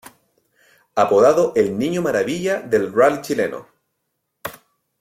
Apodado el "Niño Maravilla" del Rally Chileno.